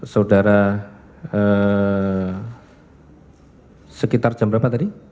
saudara sekitar jam berapa tadi